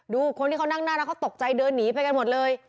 คนที่เขานั่งหน้านั้นเขาตกใจเดินหนีไปกันหมดเลย